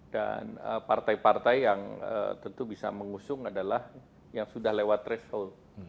dan partai partai yang tentu bisa mengusung adalah yang sudah lewat threshold